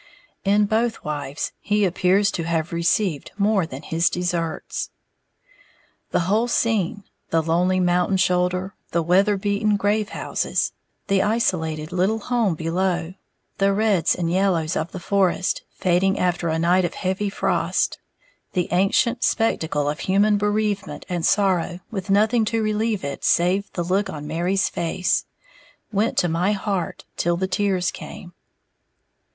In both wives he appears to have received more than his deserts. The whole scene the lonely mountain shoulder, the weather beaten grave houses, the isolated little home below, the reds and yellows of the forest fading after a night of heavy frost, the ancient spectacle of human bereavement and sorrow with nothing to relieve it save the look on Mary's face went to my heart till the tears came.